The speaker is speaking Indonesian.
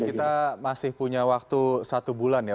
kita masih punya waktu satu bulan ya